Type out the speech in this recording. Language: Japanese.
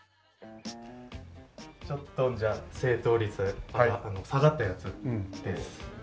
ちょっとじゃあ正答率が下がったやつです。